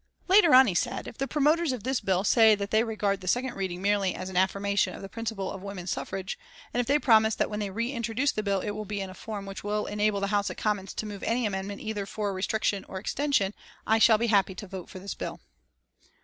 Later on he said: "If the promoters of this bill say that they regard the second reading merely as an affirmation of the principle of women's suffrage, and if they promise that when they re introduce the bill it will be in a form which will enable the House of Commons to move any amendment either for restriction or extension I shall be happy to vote for this bill."